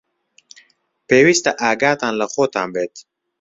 پێویستە ئاگاتان لە خۆتان بێت.